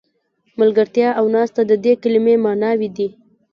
ملګرتیا او ناسته د دې کلمې معناوې دي.